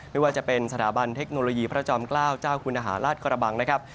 ไม่ว่าจะเป็นสถาบันเทคโนโลยีพระจอมเกล้าเจ้าคุณอาหารราชกระบังนะครับ